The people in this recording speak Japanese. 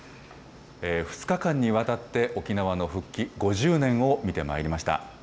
２日間にわたって沖縄の復帰５０年を見てまいりました。